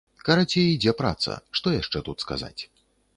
Карацей, ідзе праца, што яшчэ тут сказаць?